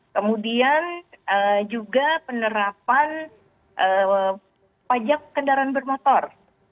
kemudian juga penerapan pajak kendaraan bermotor